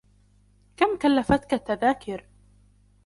كم كلّفتك التذاكر؟